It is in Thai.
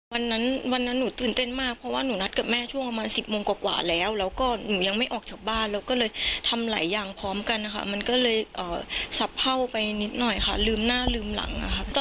วันนั้นวันนั้นหนูตื่นเต้นมากเพราะว่าหนูนัดกับแม่ช่วงประมาณ๑๐โมงกว่าแล้วแล้วก็หนูยังไม่ออกจากบ้านเราก็เลยทำหลายอย่างพร้อมกันนะคะมันก็เลยสับเผ่าไปนิดหน่อยค่ะลืมหน้าลืมหลังค่ะ